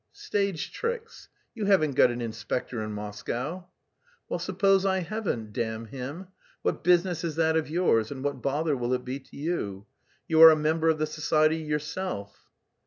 "Stage tricks. You haven't got an inspector in Moscow." "Well, suppose I haven't damn him! what business is that of yours and what bother will it be to you? You are a member of the society yourself."